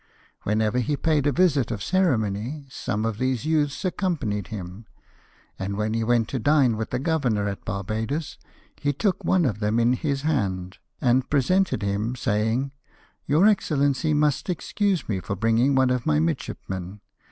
Whenever he paid a visit of ceremony, some of these youths accompanied him ; and when he went to dine with the Governor at Barbadoes, he took one of them ARRIVAL IN THE WEST INDIES. 33 in his hand, and presented him, saying, '' Your Ex cellency must excuse me for bringing one of my midshipmen.